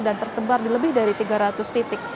dan tersebar di lebih dari tiga ratus titik